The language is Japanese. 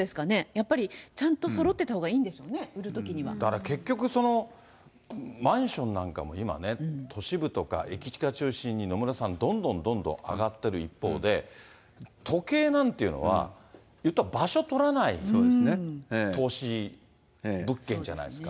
やっぱりちゃんとそろってたほうだから結局、そのマンションなんかも今ね、都市部とか駅近中心に野村さん、どんどんどんどん上がってる一方で、時計なんていうのは、いったら場所取らない投資物件じゃないですか。